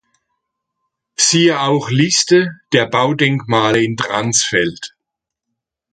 Siehe auch Liste der Baudenkmale in Dransfeld.